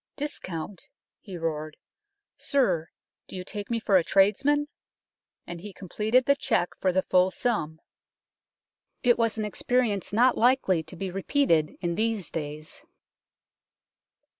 " Discount !" he roared. " Sir, do you take me for a tradesman ?" and he completed the cheque for the full sum. It was an experience not likely to be repeated in these days.